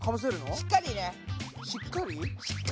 しっかり。